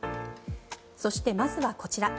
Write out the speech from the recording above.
そしてまずはこちら。